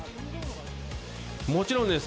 もちろんです。